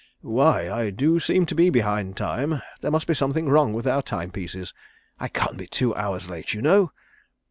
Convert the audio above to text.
"Why I do seem to be behind time. There must be something wrong with our time pieces. I can't be two hours late, you know."